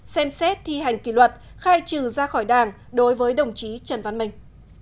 xem xét thi hành kỷ luật khai trừ ra khỏi đảng đối với đồng chí trần văn minh